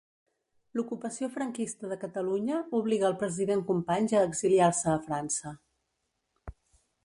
L'ocupació franquista de Catalunya obliga al president Companys a exiliar-se a França.